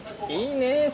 いいねえ